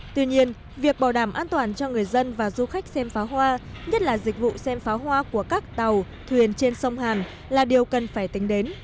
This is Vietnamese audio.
tuy nhiên việc bảo đảm an toàn cho người dân và du khách xem phá hoa nhất là dịch vụ xem pháo hoa của các tàu thuyền trên sông hàn là điều cần phải tính đến